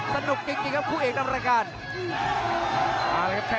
ต้องบอกว่าคนที่จะโชคกับคุณพลน้อยสภาพร่างกายมาต้องเกินร้อยครับ